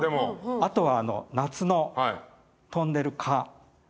あとは夏の飛んでる蚊。